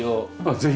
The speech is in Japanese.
ぜひ。